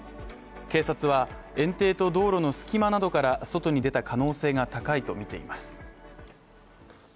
警察は園庭と道路の隙間などから外に出た可能性が高いとみています。